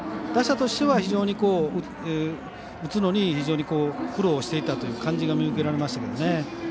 打者としては非常に打つのに非常に苦労していたという感じが見受けられましたけどね。